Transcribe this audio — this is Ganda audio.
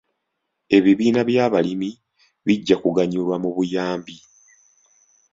Ebibiina by'abalimi bijja kuganyulwa mu buyambi.